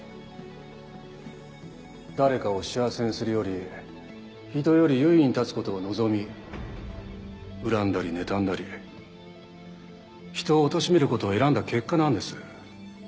誰かを幸せにするより人より優位に立つことを望み恨んだり妬んだり人を貶めることを選んだ結果なんです。